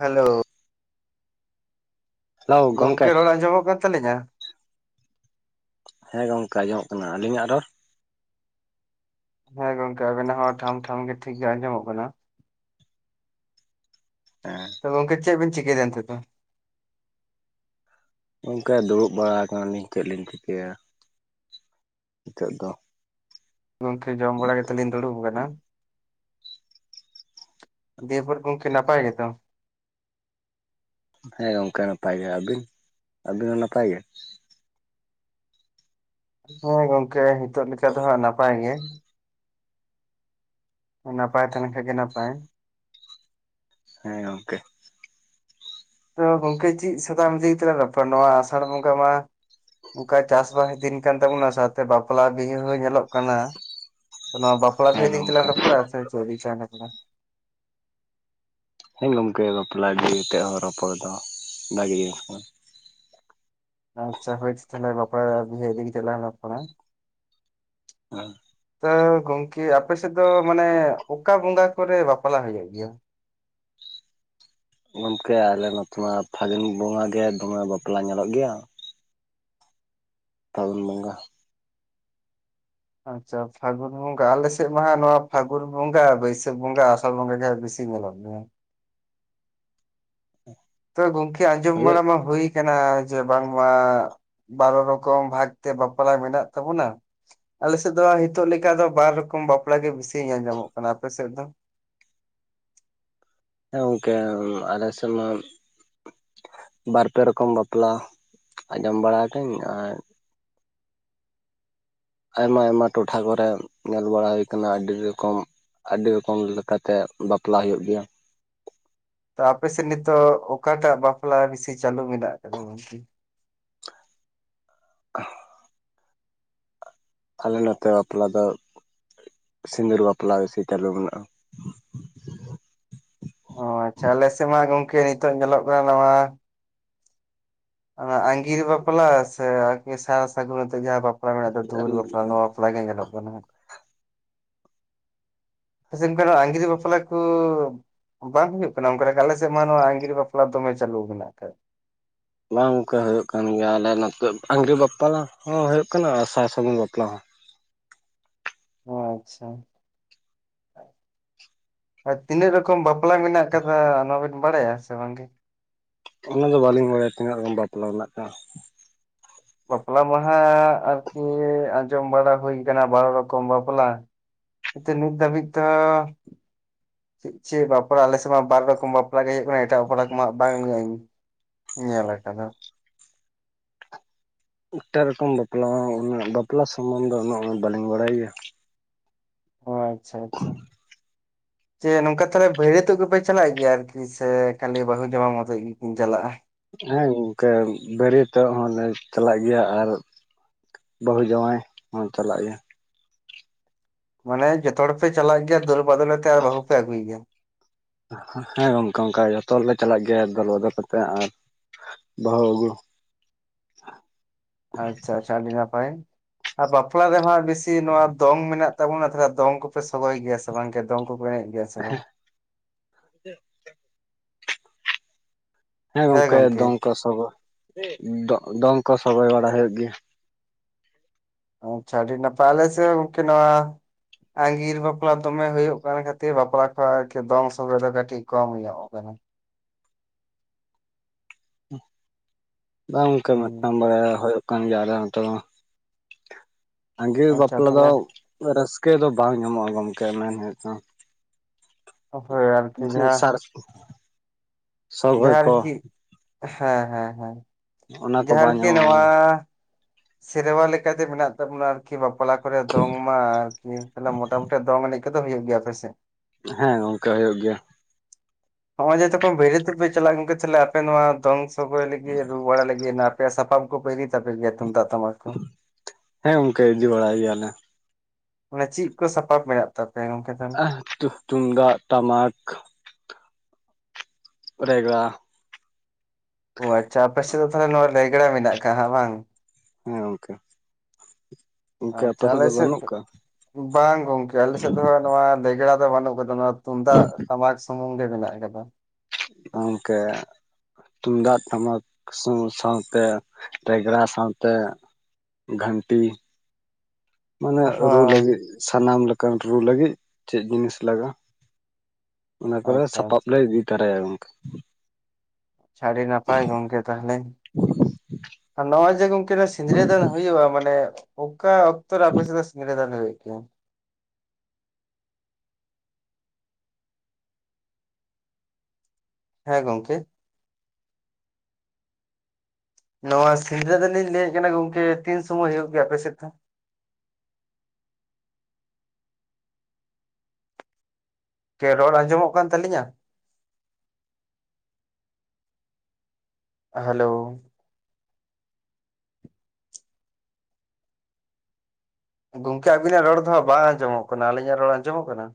Hello ᱜᱚᱝᱠᱮ ᱨᱚᱲ ᱟᱸᱡᱚᱢᱚᱜ ᱠᱟᱱ ᱛᱟᱞᱤᱧᱟ? ᱦᱮᱸ ᱜᱚᱝᱠᱮ ᱟᱸᱢᱚᱢᱜ ᱠᱟᱱᱟ ᱟᱹᱞᱤᱧᱟᱜ ᱨᱚᱲ ᱦᱮᱸ ᱜᱚᱝᱠᱮ ᱟᱵᱮᱱᱟᱜ ᱦᱚᱸ ᱴᱷᱟᱢ ᱴᱷᱟᱢ ᱜᱮ ᱴᱷᱤᱠ ᱜᱮ ᱟᱸᱡᱚᱢᱚᱜ ᱠᱟᱱᱟ᱾ ᱦᱮᱸ ᱛᱚ ᱜᱚᱝᱠᱮ ᱪᱮᱫ ᱵᱤᱱ ᱪᱤᱠᱟᱹᱭ ᱫᱟ ᱱᱤᱛᱜᱫᱚ? ᱚᱱᱠᱟ ᱫᱩᱲᱩᱵ ᱵᱟᱲᱟᱣ ᱠᱟᱱᱟᱞᱤᱧ ᱪᱮᱫ ᱞᱤᱧ ᱪᱤᱠᱟᱹᱭᱟ ᱱᱤᱛᱚᱜ ᱫᱚ ᱜᱚᱝᱠᱮ ᱡᱚᱢ ᱵᱟᱲᱟ ᱠᱟᱛᱮᱫ ᱞᱤᱧ ᱫᱩᱲᱩᱵ ᱠᱟᱱᱟ᱾ ᱫᱤᱭᱟ ᱯᱩᱨ ᱜᱚᱝᱠᱮ ᱱᱟᱯᱟᱭ ᱜᱮ ᱛᱚ? ᱦᱮᱸ ᱜᱚᱝᱠᱮ ᱱᱟᱯᱟᱭ ᱜᱮ, ᱟᱹᱵᱤᱱ ᱟᱹᱵᱤᱱ ᱦᱚᱸ ᱱᱟᱯᱟᱭ ᱜᱮ? ᱦᱮᱸ ᱜᱚᱝᱠᱮ ᱱᱤᱛᱚᱜ ᱞᱮᱠᱟ ᱫᱚ ᱦᱟᱸᱜ ᱱᱟᱯᱟᱭ ᱜᱮ᱾ ᱱᱟᱯᱟᱭ ᱛᱮᱦᱮ ᱞᱮᱱᱠᱷᱟᱱ ᱜᱮ ᱱᱟᱯᱟᱭ ᱦᱮᱸ ᱜᱚᱝᱠᱮ ᱛᱚ ᱜᱚᱝᱠᱮ ᱪᱤᱫ ᱥᱟᱛᱟᱢ ᱤᱫᱤ ᱠᱟᱛᱮ ᱞᱟᱝ ᱨᱚᱯᱚᱲᱟ ᱱᱚᱣᱟ ᱟᱥᱟᱲ ᱵᱚᱸᱜᱟ ᱢᱟ ᱚᱱᱠᱟ ᱪᱟᱥᱵᱟᱥ ᱫᱤᱱ ᱠᱟᱱ ᱛᱟᱵᱩᱱᱟ ᱥᱟᱶᱛᱮ ᱵᱟᱯᱞᱟ ᱵᱤᱦᱟᱹ ᱦᱚᱸ ᱧᱮᱞᱚᱜ ᱠᱟᱱᱟ ᱱᱚᱣᱟ ᱵᱟᱠᱷᱞᱟ ᱦᱮᱸ ᱵᱤᱦᱟᱹ ᱤᱫᱤ ᱠᱟᱛᱮ ᱜᱚᱝᱠᱮ ᱞᱟᱝ ᱨᱚᱯᱚᱲᱟ ᱥᱮ ᱪᱮ ᱤᱫᱤ ᱠᱟᱛᱮᱜ‌ ᱞᱟᱝ ᱨᱚᱯᱚᱲᱟ? ᱦᱮᱸ ᱜᱚᱢᱠᱮ ᱵᱟᱯᱞᱟ ᱤᱫᱤ ᱠᱟᱛᱮᱫ ᱦᱚᱸ ᱨᱚᱯᱚᱲ ᱫᱚ ᱵᱷᱟᱜᱤ ᱜᱮ ᱟᱪᱷᱟ ᱦᱳᱭ ᱛᱚ ᱛᱟᱦᱞᱮ ᱵᱟᱯᱞᱟ ᱵᱤᱦᱟᱹ ᱤᱫᱤ ᱠᱟᱛᱮᱜ ᱞᱟᱝ ᱨᱚᱯᱚᱲᱟ ᱦᱮᱸ ᱛᱚ ᱜᱚᱝᱠᱮ ᱟᱯᱮᱥᱮᱫ ᱫᱚ ᱢᱟᱱᱮ ᱚᱠᱟ ᱵᱚᱸᱜᱟ ᱠᱚᱨᱮ ᱵᱟᱯᱞᱟ ᱦᱳᱭᱳᱜ ᱜᱮᱭᱟ? ᱜᱚᱝᱠᱮ ᱟᱞᱮ ᱱᱚᱛᱮ ᱢᱟ ᱯᱷᱟᱹᱜᱩᱱ ᱵᱚᱸᱜᱟ ᱜᱮ ᱫᱚᱢᱮ ᱵᱟᱯᱞᱟ ᱧᱮᱞᱚᱜ ᱜᱮᱭᱟ᱾ ᱯᱷᱟᱹᱜᱩᱱ ᱵᱚᱸᱜᱟ ᱟᱪᱪᱷᱟ ᱯᱷᱟᱜᱩᱱ ᱵᱚᱸᱜᱟ ᱟᱞᱮᱥᱮᱜ ᱢᱟ ᱦᱟᱜ ᱱᱚᱣᱟ ᱯᱷᱟᱜᱩᱱ ᱵᱚᱸᱜᱟ ᱵᱟᱹᱭᱥᱟᱹᱠᱷ ᱵᱚᱸᱜᱟ ᱟᱥᱟᱲ ᱵᱚᱸᱜᱟ ᱜᱮ ᱵᱮᱥᱤ ᱥᱤ ᱧᱮᱞᱚᱜ ᱜᱮᱭᱟ ᱛ ᱜᱚᱝᱠᱤ ᱟᱸᱡᱚᱢ ᱦᱳᱭᱳᱜ ᱵᱟᱲᱟᱟ ᱢᱟ ᱦᱩᱭ ᱠᱟᱱᱟ ᱡᱮ ᱵᱟᱝ ᱢᱟ ᱵᱟᱨᱚ ᱨᱚᱠᱚᱢ ᱵᱷᱟᱜᱽ ᱛᱮ ᱵᱟᱯᱞᱟ ᱢᱮᱱᱟᱜ ᱛᱟᱵᱚᱱᱟ ᱟᱞᱮᱥᱮᱫ ᱫᱚ ᱦᱟᱜ ᱦᱤᱛᱚᱜ ᱞᱮᱠᱟ ᱫᱚ ᱵᱟᱨ ᱨᱚᱠᱚᱢ ᱵᱟᱯᱞᱟ ᱜᱮ ᱵᱤᱥᱤ ᱧᱮᱞ ᱧᱟᱢᱚᱜ ᱠᱟᱱᱟ, ᱟᱯᱮᱥᱮᱫ ᱫᱚ? ᱦᱮᱸ ᱜᱚᱝᱠᱮ ᱟᱞᱮ ᱥᱮᱫ ᱢᱟ ᱵᱟᱨᱯᱮ ᱨᱚᱠᱚᱢ ᱵᱟᱯᱞᱟ ᱟᱸᱡᱚᱢ ᱵᱟᱲᱟ ᱟᱠᱟᱹᱧ ᱟᱨ ᱟᱭᱢᱟ ᱟᱭᱢᱟ ᱴᱚᱴᱷᱟ ᱠᱚᱨᱮᱜ ᱧᱮᱞ ᱵᱟᱲᱟ ᱦᱩᱭ ᱠᱟᱱᱟ ᱟᱹᱰᱤ ᱨᱚᱠᱚᱢ ᱟᱹᱰᱤ ᱨᱚᱠᱚᱢ ᱞᱮᱠᱟᱛᱮ ᱵᱟᱯᱞᱟ ᱦᱩᱭᱩᱜ ᱜᱮᱭᱟ᱾ ᱛᱚ ᱟᱯᱮᱥᱮᱫ ᱱᱤᱛᱚᱜ ᱚᱠᱟᱴᱟᱜ ᱵᱟᱯᱞᱟ ᱵᱤᱥᱤ ᱪᱟᱹᱞᱩ ᱢᱮᱱᱟᱜ ᱠᱟᱫᱟ ᱜᱚᱝᱠᱮ? [inaudible] ᱟᱞᱮ ᱱᱚᱛᱮ ᱵᱟᱯᱞᱟ ᱫᱚ ᱥᱤᱸᱫᱩᱨ ᱵᱟᱯᱞᱟ ᱵᱤᱥᱤ ᱪᱟᱹᱞᱩ ᱢᱮᱱᱟᱜ-ᱟ᱾ ᱚ ᱟᱪᱪᱷᱟ ᱟᱞᱮ ᱥᱮᱜ ᱢᱟ ᱜᱚᱝᱠᱮ ᱱᱤᱛᱚᱜ ᱧᱮᱞᱚᱜ ᱠᱟᱱᱟ ᱱᱚᱣᱟ᱾ ᱟᱸᱜᱤᱨ ᱵᱟᱯᱞᱟ ᱥᱮ ᱟᱨᱠᱤ ᱥᱟᱨ ᱥᱟᱹᱜᱩᱱ ᱟᱛᱮᱜ ᱡᱟᱦᱟᱸ ᱵᱟᱯᱞᱟ ᱢᱮᱱᱟᱜ ᱫᱚ ᱫᱩᱣᱟᱹᱨ ᱵᱟᱯᱞᱟ ᱱᱚᱣᱟ᱾ ᱵᱟᱯᱞᱟᱜᱮ ᱧᱮᱞᱚᱜ ᱠᱟᱱᱟ ᱦᱟᱸᱜ᱾ ᱟᱯᱮ ᱥᱮᱱ ᱠᱷᱚᱱᱟᱜ ᱟᱸᱜᱤᱨ ᱵᱟᱯᱞᱟ ᱠᱩ᱾ ᱵᱟᱝ ᱦᱩᱭᱩᱜ ᱠᱟᱱᱟ ᱚᱱᱠᱟ ᱞᱮᱠᱟ? ᱟᱞᱮ ᱥᱮᱫ ᱢᱟ ᱱᱚᱣᱟ ᱟᱺᱜᱤᱨ ᱵᱟᱯᱞᱟ ᱫᱚᱢᱮ ᱪᱟᱹᱞᱩ ᱢᱮᱱᱟᱜ ᱠᱟᱫ᱾ ᱵᱟᱝ ᱜᱚᱝᱠᱮ ᱦᱩᱭᱩᱜ ᱠᱟᱱ ᱜᱮᱭᱟ, ᱟᱞᱮ ᱱᱚᱛᱮ ᱟᱸᱜᱤᱨ ᱵᱟᱯᱞᱟ ᱦᱚᱸ ᱦᱩᱭᱩᱜ ᱠᱟᱱᱟ ᱟᱨ ᱥᱟᱨ ᱥᱟᱹᱜᱩᱱ ᱵᱟᱯᱞᱟ ᱦᱚᱸ᱾ ᱟᱪᱪᱷᱟ᱾ ᱟᱨ ᱛᱤᱱᱟᱹᱜ ᱨᱚᱠᱚᱢ ᱵᱟᱯᱞᱟ ᱢᱮᱱᱟᱜ ᱠᱟᱫᱟ ᱚᱱᱟᱵᱤᱱ ᱵᱟᱲᱟᱭᱟ ᱥᱮ ᱵᱟᱝᱜᱮ? ᱚᱱᱟᱫᱚ ᱵᱟᱟᱹᱞᱤᱧ ᱵᱟᱲᱟᱭᱟ ᱛᱤᱱᱟᱹᱜ ᱨᱚᱠᱚᱢ ᱵᱟᱯᱞᱟ ᱢᱮᱱᱟᱜ ᱠᱟᱜ-ᱟ? ᱵᱟᱯᱞᱟ ᱢᱟᱦᱟᱸᱜ ᱟᱨᱠᱤ ᱟᱸᱡᱚᱢ ᱵᱟᱲᱟ ᱦᱩᱭ ᱠᱟᱱᱟ ᱵᱟᱨᱚ ᱨᱚᱠᱚᱢ ᱵᱟᱯᱞᱟ᱾ ᱠᱤᱱᱛᱩ ᱱᱤᱛ ᱫᱷᱟᱹᱵᱤᱡ ᱛᱮᱦᱚᱸ᱾ ᱪᱮᱫ ᱪᱮᱫ ᱵᱟᱯᱞᱟ ᱟᱞᱮᱥᱮᱫ ᱢᱟ ᱵᱟᱨ ᱨᱚᱠᱚᱢ ᱵᱟᱯᱞᱟ ᱜᱮ ᱦᱩᱭᱩᱜ ᱠᱟᱱᱟ ᱮᱴᱟᱜ ᱵᱟᱯᱞᱟ ᱠᱚᱢᱟ ᱵᱟᱝ [unintelligible] ᱧᱮᱞ ᱟᱠᱟᱫᱟ᱾ ᱮᱴᱟᱜ ᱨᱚᱠᱚᱢ ᱵᱟᱯᱞᱟ, ᱩᱱᱟᱹᱜ ᱵᱟᱯᱞᱟ ᱥᱚᱢᱵᱚᱱᱫᱷᱮ ᱩᱱᱟᱹᱜ ᱢᱟ ᱵᱟᱹᱞᱤᱧ ᱵᱟᱲᱟᱭ ᱜᱮᱭᱟ᱾ ᱚ, ᱟᱪᱪᱷᱟ ᱟᱪᱪᱷᱟ᱾ [inaudible] ᱡᱮ ᱱᱚᱝᱠᱟ ᱛᱟᱦᱞᱮ ᱵᱟᱹᱨᱭᱟᱹᱛᱚᱜ ᱜᱮᱯᱮ ᱪᱟᱞᱟᱜ ᱜᱮᱭᱟ ᱟᱨᱠᱤ ᱥᱮ ᱠᱷᱟᱹᱞᱤ ᱵᱟᱹᱦᱩ ᱡᱟᱶᱟᱭ ᱢᱚᱛᱚᱡ ᱜᱮᱠᱤᱱ ᱪᱟᱞᱟᱜ-ᱟ? ᱦᱳᱭ ᱜᱚᱝᱠᱮ ᱵᱟᱹᱨᱭᱟᱹᱛᱚᱜ ᱦᱚᱸᱞᱮ ᱪᱟᱞᱟᱜ ᱜᱮᱭᱟ ᱟᱨ ᱵᱟᱹᱦᱩ ᱡᱟᱶᱟᱭ ᱦᱚᱸ ᱪᱟᱞᱟᱜ ᱜᱮᱭᱟ᱾ ᱢᱟᱱᱮ ᱡᱚᱛᱚ ᱦᱚᱲ ᱯᱮ ᱪᱟᱞᱟᱜ ᱜᱮᱭᱟ ᱫᱳᱞ ᱵᱟᱫᱳᱞ ᱟᱛᱮ ᱟᱨ ᱵᱟᱹᱦᱩ ᱯᱮ ᱟᱹᱜᱩᱭᱮ ᱜᱮᱭᱟ᱾ ᱦᱮᱸ ᱜᱚᱝᱠᱮ ᱚᱱᱠᱟ ᱡᱚᱛᱚ ᱦᱚᱲᱞᱮ ᱪᱟᱞᱟᱜ ᱜᱮᱭᱟ ᱫᱚᱞ ᱵᱚᱫᱚᱞ ᱠᱟᱛᱮ ᱟᱨ ᱵᱟᱹᱦᱩ ᱟᱹᱜᱩ᱾ ᱟᱪᱪᱷᱟ ᱟᱪᱪᱷᱟ ᱟᱹᱰᱤ ᱱᱟᱯᱟᱭ ᱟᱨ ᱵᱟᱯᱞᱟ ᱨᱮᱦᱟᱸᱜ ᱵᱤᱥᱤ ᱱᱚᱣᱟ ᱫᱚᱝ ᱢᱮᱱᱟᱜ᱾ ᱛᱟᱵᱚᱱᱟ ᱛᱷᱚᱲᱟ ᱫᱚᱝ ᱠᱚ ᱯᱮ ᱥᱚᱜᱚᱭ ᱜᱮᱭᱟ ᱥᱮ ᱵᱟᱝ ᱠᱮ ᱫᱚᱝ ᱠᱚ ᱠᱚ ᱮᱲᱮᱡ ᱜᱮᱭᱟ ᱥᱮ ᱵᱟᱝ? [unintelligible] ᱦᱮᱸ ᱜᱚᱝᱠᱮ ᱫᱚᱝ ᱠᱚ ᱥᱚᱜᱚ ᱫᱚᱝ ᱠᱚ ᱥᱚᱜᱚᱭ ᱵᱟᱲᱟ ᱦᱩᱭᱩᱜ ᱜᱮᱭᱟ᱾ ᱟᱪᱪᱷᱟ ᱟᱹᱰᱤ ᱱᱟᱯᱟᱭ ᱟᱞᱮ ᱥᱮᱫ ᱜᱚᱝᱠᱮ ᱱᱚᱣᱟ᱾ ᱟᱺᱜᱤᱨ ᱵᱟᱯᱞᱟ ᱫᱚᱢᱮ ᱦᱩᱭᱩᱜ ᱠᱟᱱ ᱠᱷᱟᱹᱛᱤᱨ ᱵᱟᱯᱞᱟ ᱠᱚ ᱟᱨᱠᱤ ᱫᱚᱝ ᱥᱚᱜᱚᱭ ᱫᱚ ᱠᱟᱹᱴᱤᱡ ᱠᱚᱢ ᱧᱚᱜ ᱠᱟᱱᱟ᱾ ᱵᱟᱝ ᱜᱚᱝᱠᱮ ᱦᱩᱸ ᱢᱤᱫᱴᱟᱝ ᱵᱟᱲᱟᱭᱟ ᱦᱳᱭᱳᱜ᱾ ᱠᱟᱱ ᱜᱮᱭᱟ ᱟᱠᱮ ᱚᱱᱛᱮ ᱫᱚ, ᱟᱸᱜᱤᱨ ᱟᱪᱪᱷᱟ ᱵᱟᱯᱞᱟ ᱫᱚ᱾ ᱛᱟᱦᱚᱞᱮ ᱨᱟᱹᱥᱠᱟᱹ ᱫᱚ ᱵᱟᱝ ᱧᱟᱢᱚᱜ-ᱟ ᱜᱚᱢᱠᱮ ᱢᱮᱱ ᱦᱩᱭᱩᱜ ᱛᱚ᱾ ᱦᱳᱭ ᱟᱨᱠᱤ ᱡᱟᱸᱦᱟ᱾ [unintelligible] ᱥᱚᱜᱚᱭ ᱡᱟᱦᱟᱸ ᱠᱚ ᱟᱨᱠᱤ, ᱦᱮᱸ ᱦᱮᱸ ᱦᱮᱸ᱾ ᱚᱱᱟ ᱠᱚ ᱡᱟᱸᱦᱟ ᱟᱨ ᱵᱟᱝ ᱠᱤ ᱧᱟᱢᱚᱜᱼᱟ ᱱᱚᱣᱟ᱾ ᱥᱮᱨᱣᱟ ᱞᱮᱠᱟᱛᱮ ᱢᱮᱱᱟᱜ ᱛᱟᱵᱚᱱᱟ ᱟᱨᱠᱤ ᱵᱟᱯᱞᱟ ᱠᱚᱨᱮ ᱫᱚᱝ ᱢᱟ ᱟᱨᱠᱤᱮ ᱢᱚᱴᱟᱢᱩᱴᱤ ᱫᱚᱝ ᱮᱱᱮᱡ᱾ ᱠᱚᱫᱚ ᱦᱩᱭᱩᱜ ᱜᱮᱭᱟ ᱟᱯᱮ ᱥᱮᱫ? ᱦᱮᱸ, ᱜᱚᱝᱠᱮ ᱦᱩᱭᱩᱜ ᱜᱮᱭᱟ᱾ ᱱᱚᱜ-ᱚᱚᱭ ᱡᱚᱚᱛᱚ ᱠᱷᱚᱱ ᱵᱷᱨᱤᱭᱟᱹᱛᱚᱜᱼᱯᱮ ᱪᱟᱞᱟᱜ ᱜᱚᱝᱠᱮ ᱛᱟᱦᱞᱮ ᱟᱯᱮ ᱱᱚᱣᱟ ᱫᱚᱝ ᱥᱚᱜᱚᱭ ᱞᱟᱹᱜᱤᱫ ᱨᱩ ᱵᱟᱲᱟ ᱞᱟᱹᱜᱤᱫ, ᱱᱟ ᱯᱮ ᱥᱟᱯᱟᱢ ᱠᱚᱯᱮ ᱤᱫᱤ ᱛᱟᱯᱮ ᱜᱮᱭᱟ ᱛᱩᱢᱫᱟᱜ ᱴᱟᱢᱟᱠ ᱠᱚ? ᱦᱮᱸ ᱜᱚᱝᱠᱮ ᱤᱫᱤ ᱵᱟᱲᱟᱭ ᱜᱮᱭᱟᱞᱮ᱾ ᱢᱟᱱᱮ ᱪᱮᱫ ᱠᱚ ᱥᱟᱯᱟᱵ ᱢᱮᱱᱟᱜ ᱛᱟᱯᱮᱭᱟ ᱜᱚᱝᱠᱮ ᱛᱟᱦᱞᱮ? [unintelligible] ᱛᱩᱢᱫᱟᱜ, ᱴᱟᱢᱟᱠ, ᱨᱮᱜᱽᱲᱟ, ᱚ, ᱟᱪᱪᱷᱟ ᱟᱯᱮ ᱥᱮᱫ ᱫᱚ ᱛᱟᱦᱞᱮ ᱱᱚᱣᱟ ᱨᱮᱜᱽᱲᱟ ᱢᱮᱱᱟᱜ ᱟᱠᱟᱜ-ᱟ ᱦᱟᱸᱜ ᱵᱟᱝ? ᱦᱮᱸ ᱜᱚᱝᱠᱮ᱾ ᱜᱚᱝᱠᱮ ᱟᱯᱮ ᱟᱪᱪᱷᱟ ᱟᱞᱮ ᱫᱚ ᱥᱮᱫ, ᱵᱟᱹᱱᱩᱜ ᱠᱟᱜᱼᱟ ᱵᱟᱝ ᱜᱚᱝᱠᱮ ᱟᱞᱮ ᱥᱮᱫ ᱫᱚ ᱱᱚᱣᱟ ᱞᱮᱜᱽᱲᱟ ᱫᱚ ᱵᱟᱹᱱᱩᱜ ᱠᱟᱫᱟ᱾ ᱱᱚᱣᱟ ᱛᱩᱢᱫᱟᱜ, ᱴᱟᱢᱟᱠ ᱥᱩᱢᱩᱝ ᱜᱮ ᱢᱮᱱᱟᱜ ᱟᱠᱟᱫᱟ᱾ ᱜᱚᱝᱠᱮ? ᱛᱩᱢᱫᱟᱜ ᱴᱟᱢᱟᱠ ᱥᱟᱶ ᱛᱮ ᱨᱮᱜᱽᱲᱟ ᱥᱟᱶ ᱛᱮ ᱜᱷᱟᱱᱴᱤ ᱢᱟᱱᱮ ᱨᱩ ᱞᱟᱹᱜᱤᱫ, ᱥᱟᱱᱟᱢ ᱞᱮᱠᱟᱱ ᱨᱩ ᱞᱟᱹᱜᱤᱫ ᱪᱮᱫ ᱡᱤᱱᱤᱥ ᱞᱟᱜᱟᱜᱼᱟ? ᱚᱱᱟ ᱠᱚᱨᱮ ᱟᱪᱪᱷᱟ ᱥᱟᱯᱟᱵ ᱞᱮ ᱤᱫᱤ ᱛᱟᱨᱟᱭᱟ ᱜᱚᱝᱠᱟ ᱾ ᱪᱷᱟ ᱟᱹᱰᱤ ᱱᱟᱯᱟᱭ ᱜᱚᱝᱠᱮ ᱛᱟᱦᱚᱞᱮ ᱾ ᱱᱚᱣᱟ ᱡᱮ ᱜᱚᱢᱠᱮ ᱥᱤᱸᱫᱽᱨᱟᱹ ᱫᱟᱱ ᱦᱩᱭᱩᱜᱼᱟ ᱾ ᱢᱟᱱᱮ ᱚᱠᱟ ᱚᱠᱛᱚ ᱨᱮ ᱟᱯᱮ ᱥᱮᱫ ᱨᱮ ᱫᱚ ᱥᱤᱱᱫᱨᱟᱹ ᱫᱟᱱ ᱦᱩᱭᱩᱜ ᱜᱮᱭᱟ? ᱦᱮᱸ ᱜᱚᱢᱠᱮ! ᱱᱚᱣᱟ ᱥᱤᱸᱫᱽᱨᱟᱹ ᱫᱚᱞᱤ ᱤᱧ ᱞᱟᱹᱭᱮᱫ ᱠᱟᱱᱟ ᱜᱚᱝᱠᱮ ᱛᱤᱱ ᱥᱚᱢᱚᱭ ᱦᱩᱭᱩᱜ ᱜᱮᱭᱟ ᱟᱯᱮ ᱥᱮᱫ ᱫᱚ? ᱠᱮᱸ ᱨᱚᱲ ᱟᱸᱡᱚᱢᱚᱜ ᱠᱟᱱ ᱛᱟᱹᱞᱤᱧᱼᱟ? ᱦᱮᱞᱳ ᱾ ᱜᱚᱝᱠᱮ ᱟᱵᱤᱱᱟᱜ ᱨᱚᱲ ᱫᱚᱦᱟᱸᱜ ᱵᱟᱝ ᱟᱸᱡᱚᱢᱚᱜ ᱠᱟᱱᱟ ᱾ ᱟᱹᱞᱤᱧᱼᱟᱜ ᱨᱚᱲ ᱟᱸᱡᱚᱢᱚᱜ ᱠᱟᱱᱟ?